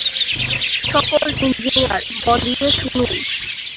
সকল ইঞ্জিনিয়ার, মন দিয়ে শুনুন।